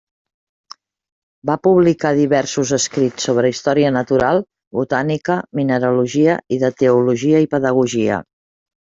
Va publicar diversos escrits sobre història natural, botànica, mineralogia, i de teologia i pedagogia.